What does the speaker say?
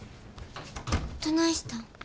どないしたん？